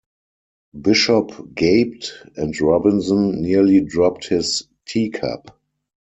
Bishop gaped, and Robinson nearly dropped his teacup.